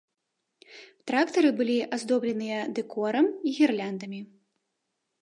Трактары былі аздобленыя дэкорам і гірляндамі.